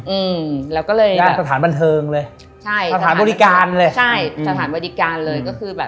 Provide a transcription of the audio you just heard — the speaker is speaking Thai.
อืมสถานบัณฐึงเลยสถานบริการเลย